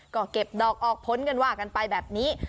ก็เก็บดอกออกผลกันว่ากันไปแบบนี้